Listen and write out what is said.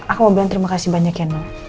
aku mau bilang terima kasih banyak ya na